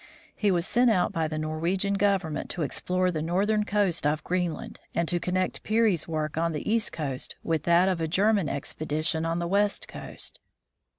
He was sent out by the Norwegian government to explore the northern coast of Greenland, and to connect Peary's work on the east coast with that of a German expedition on the west coast.